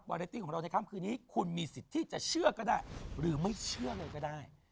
เรตตี้ของเราในค่ำคืนนี้คุณมีสิทธิ์ที่จะเชื่อก็ได้หรือไม่เชื่อเลยก็ได้